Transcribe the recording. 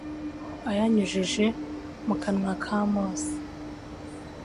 ayanyujije mu kanwa ka Mose.